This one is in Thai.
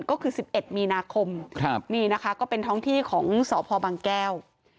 ก็คือ๑๑มีนาคมนี่นะคะก็เป็นท้องที่ของสพบางแก้ว